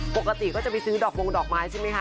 ปกติก็จะไปซื้อดอกมงดอกไม้ใช่ไหมคะ